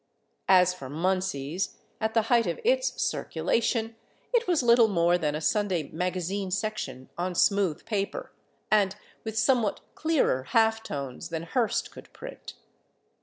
As for Munsey's, at the height of its circulation, it was little more than a Sunday "magazine section" on smooth paper, and with somewhat clearer half tones than Hearst could print.